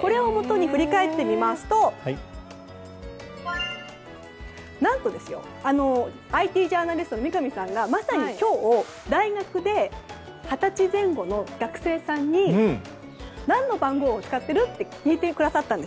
これをもとに振り返ってみますと何と、ＩＴジャーナリストの三上さんがまさに今日大学で二十歳前後の学生さんに何の番号を使っている？と聞いてくださったんです。